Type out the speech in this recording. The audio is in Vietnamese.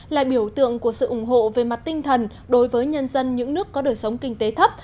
là biểu tượng của sự ủng hộ về mặt tinh thần đối với nhân dân những nước có đời sống kinh tế thấp